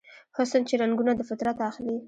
حسن چې رنګونه دفطرت اخلي